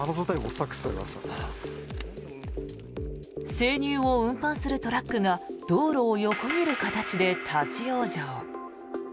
生乳を運搬するトラックが道路を横切る形で立ち往生。